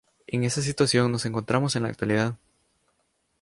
En esa situación nos encontramos en la actualidad.